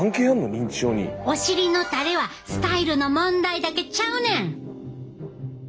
お尻のたれはスタイルの問題だけちゃうねん。